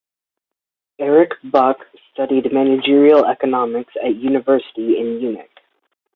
Erich Buck studied managerial economics at university in Munich.